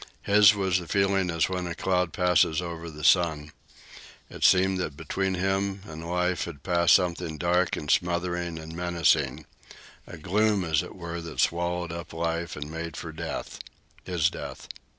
His was the feeling as when a cloud passes over the sun. It seemed that between him and life had passed something dark and smothering and menacing; a gloom, as it were, that swallowed up life and made for death his death.